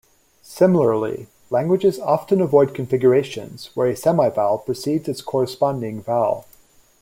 Similarly, languages often avoid configurations where a semivowel precedes its corresponding vowel.